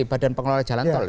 badan pengelola jalan tol